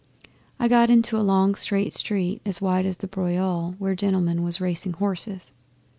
I got into a long straight street as wide as the Broyle, where gentlemen was racing horses.